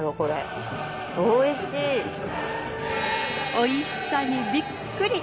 おいしさにびっくり。